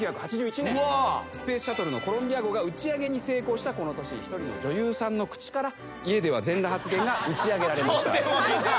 スペースシャトルのコロンビア号が打ち上げに成功したこの年１人の女優さんの口から家では全裸発言が打ち上げられました。